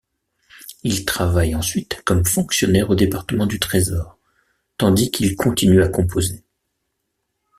Il travaille ensuite comme fonctionnaire au Département du trésor tandis qu'il continue à composer.